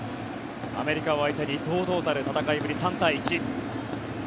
アメリカを相手に堂々たる戦いぶり、３対１。